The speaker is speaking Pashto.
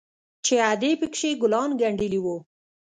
چې ادې پکښې ګلان گنډلي وو.